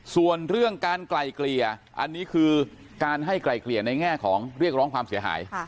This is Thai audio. ส่วนเรื่องการไกลเกลี่ยอันนี้คือการให้ไกลเกลี่ยในแง่ของเรียกร้องความเสียหาย